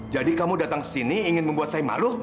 jadi kamu datang sini ingin membuat saya malu